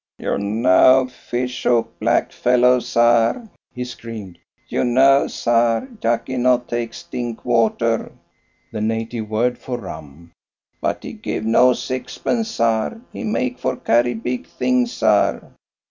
"You know Fishook, black fellow, sar?" he screamed. "You know, sar, Jacky not take stink water (the native word for rum), but he give no sixpence, sar; he make for carry big thing, sar."